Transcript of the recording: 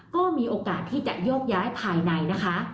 ก็มีโอกาสที่จะโยกย้ายภายในนะคะ